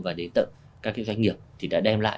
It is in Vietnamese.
và đến tận các doanh nghiệp thì đã đem lại